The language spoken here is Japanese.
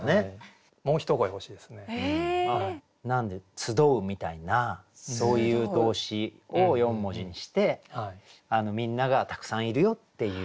「つどう」みたいなそういう動詞を４文字にしてみんながたくさんいるよっていう。